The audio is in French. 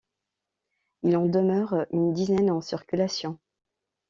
Il en demeure une dizaine en circulation.